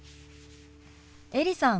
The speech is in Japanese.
エリさん